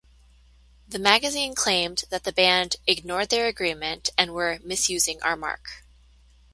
The magazine claimed that the band "ignored their agreement" and were "misusing our mark".